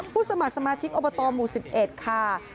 ผู้สมาชิกอบตหมู่๑๑ค่ะ